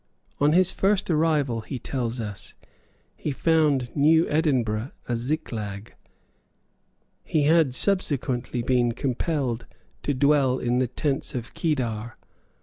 On his first arrival, he tells us, he found New Edinburgh a Ziklag. He had subsequently been compelled to dwell in the tents of Kedar.